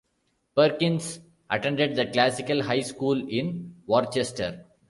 Perkins attended the Classical High School in Worcester.